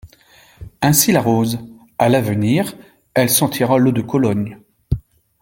Ainsi la rose, à l’avenir, elle sentira l’eau de Cologne.